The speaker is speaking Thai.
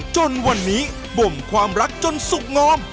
จนวันนี้บ่งความรักจนสุขงอม